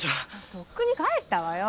とっくに帰ったわよ。